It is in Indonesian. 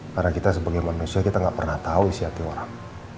karena kita sebagai manusia kita gak pernah tahu isi hati orang